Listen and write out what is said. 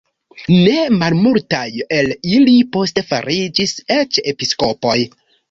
Ne malmultaj el ili poste fariĝis eĉ episkopoj.